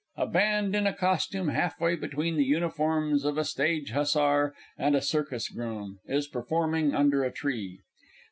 A Band in a costume half way between the uniforms of a stage hussar and a circus groom, is performing under a tree.